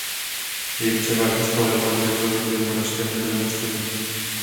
Je převážně skladatelem dechové hudby v moravském lidovém stylu.